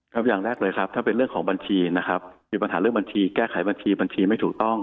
อย่างแรกเลยครับถ้าเป็นเรื่องของบัญชีนะครับมีปัญหาเรื่องบัญชีแก้ไขบัญชีบัญชีไม่ถูกต้อง